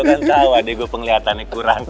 lo kan tau adek gue penglihatannya kurang